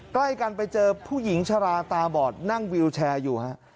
ใกล้กันไปเจอผู้หญิงชะลาตาบอดนั่งวิวแชร์อยู่ฮะ